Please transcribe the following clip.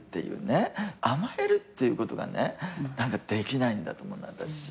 甘えるっていうことがねできないんだと思うの私。